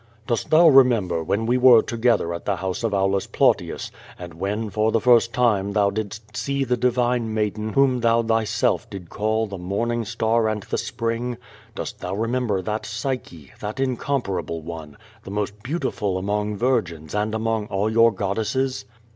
"Dost thou remember when we were together at the house of Aulus Plautius, and when for the first time thou didst see 268 Q^O VADIS. the divine maiden whom thon th3'self did call tlie morning star and the Spring? Dost thou rememljer that Psyche, that incomparable one, the most beautiful among virgins and among all your goddesses?"